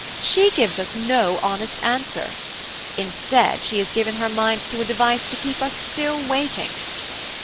She gives us no honest answer. Instead she has given her mind to a device to keep us still waiting.